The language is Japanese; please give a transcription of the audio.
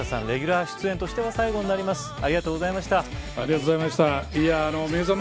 レギュラー出演としては最後になります。